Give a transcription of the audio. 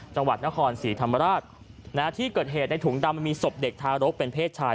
จังหวัดนครศรีธรรมราชที่เกิดเหตุในถุงดำมันมีศพเด็กทารกเป็นเพศชาย